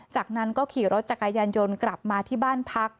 จากนั้นก็ขี่รถจักรยานยนต์กลับมาที่บ้านพัก